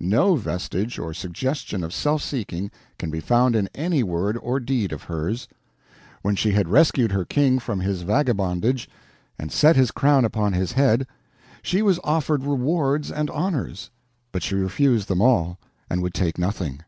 No vestige or suggestion of self seeking can be found in any word or deed of hers. When she had rescued her King from his vagabondage, and set his crown upon his head, she was offered rewards and honors, but she refused them all, and would take nothing.